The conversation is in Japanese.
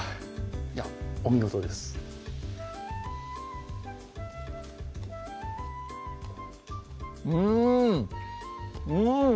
いやお見事ですうんうん！